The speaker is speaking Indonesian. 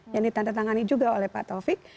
yang ditandatangani juga oleh pak taufik